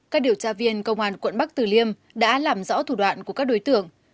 các điều tra viên công an quận bắc tử liêm đã làm rõ thủ đoạn của các đối tượng